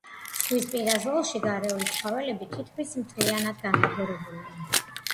ზღვისპირა ზოლში გარეული ცხოველები თითქმის მთლიანად განადგურებულია.